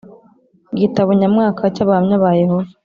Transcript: Igitabo nyamwaka cy'Abahamya ba Yehova